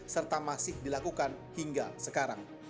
serta masih dilakukan hingga sekarang